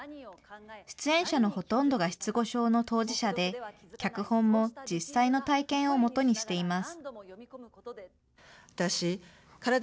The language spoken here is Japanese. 出演者のほとんどが失語症の当事者で、脚本も実際の体験をもとにしています。